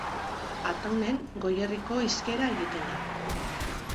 Ataunen Goierriko hizkera egiten da.